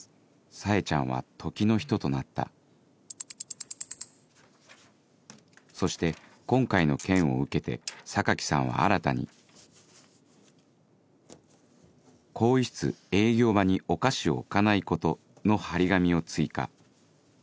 サエちゃんは時の人となったそして今回の件を受けて酒木さんは新たに「更衣室・営業場にお菓子を置かないこと」の張り紙を追加